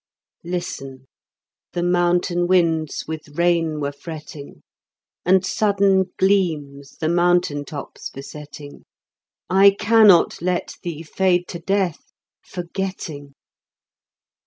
Listen: the mountain winds with rain were fretting, And sudden gleams the mountain tops besetting. I cannot let thee fade to death, forgetting.